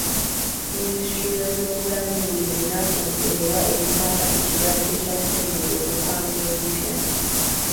Minisitule y'ebyobulamu buli lunaku ewa ebikwata ku kirwadde kya ssennyiga omukambwe ebipya.